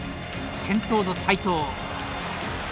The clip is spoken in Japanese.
先頭の斉藤。